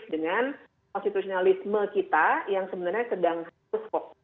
dengan konstitusionalisme kita yang sebenarnya sedang khusus kok